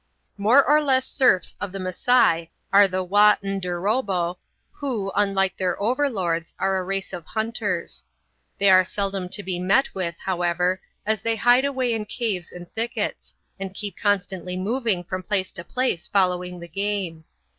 More or less serfs of the Masai are the Wa N'derobbo, who, unlike their over lords, are a race of hunters. They are seldom to be met with, however, as they hide away in caves and thickets, and keep constantly moving from place to place following the game.